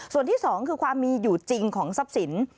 ส่วนที่สองคือความมีอยู่จริงของทรัพย์สิน